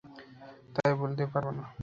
তাই বলতে পারব না।